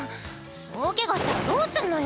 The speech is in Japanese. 大ケガしたらどうすんのよ。